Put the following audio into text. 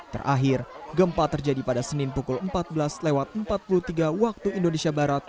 terakhir gempa terjadi pada senin pukul empat belas empat puluh tiga waktu indonesia barat